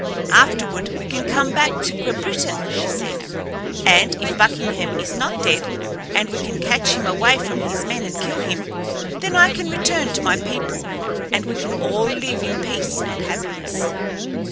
"Afterward we can come back to Grabritin," she said, "and if Buckingham is not dead and we can catch him away from his men and kill him, then I can return to my people, and we can all live in peace and happiness."